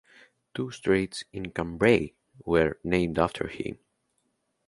Two streets in Cambrai were named after him.